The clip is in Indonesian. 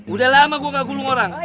udah lama gue gak gulung orang